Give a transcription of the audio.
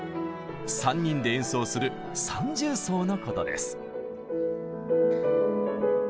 ３人で演奏する「三重奏」のことです。